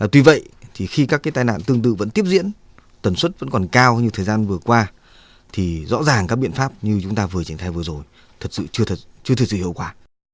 tuy vậy thì khi các cái tai nạn tương tự vẫn tiếp diễn tần suất vẫn còn cao như thời gian vừa qua thì rõ ràng các biện pháp như chúng ta vừa triển khai vừa rồi thật sự chưa thực sự hiệu quả